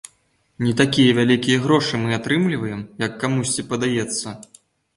Не такія вялікія грошы мы атрымліваем, як камусьці падаецца.